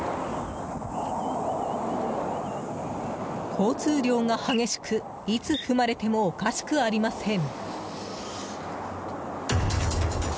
交通量が激しくいつ踏まれてもおかしくありません。